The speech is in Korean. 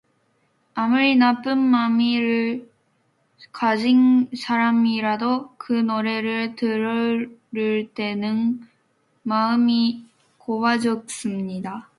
아무리 나쁜 마음을 가진 사람이라도 그 노래를 들을 때는 마음이 고와졌습니다.